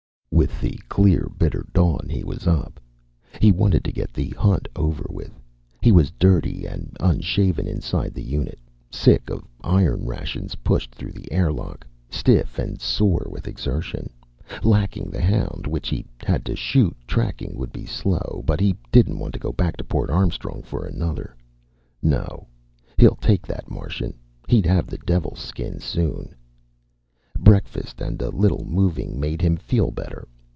With the clear bitter dawn he was up. He wanted to get the hunt over with. He was dirty and unshaven inside the unit, sick of iron rations pushed through the airlock, stiff and sore with exertion. Lacking the hound, which he'd had to shoot, tracking would be slow, but he didn't want to go back to Port Armstrong for another. No, hell take that Martian, he'd have the devil's skin soon! Breakfast and a little moving made him feel better.